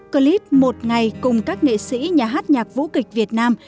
clip một ngày cùng các nghệ sĩ nhà hát nhạc vũ kịch việt nam